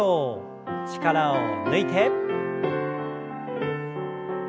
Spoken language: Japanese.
力を抜いて。